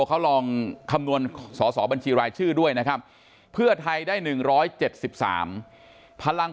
เขาลองคำนวณสอสอบัญชีรายชื่อด้วยนะครับเพื่อไทยได้๑๗๓พลัง